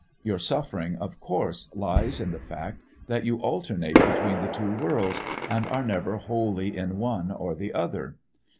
Your suffering, of course, lies in the fact that you alternate between the two worlds and are never wholly in one or the other.